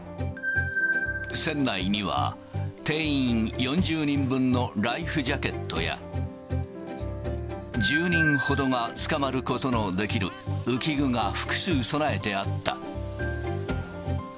船内には、定員４０人分のライフジャケットや、１０人ほどがつかまることのできる浮き具が複数備えてあった。